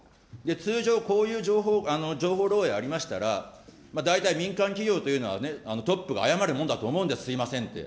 通常、こういう情報、情報漏えいがありましたら大体民間企業というのはね、トップが謝るもんだと思うんです、すみませんって。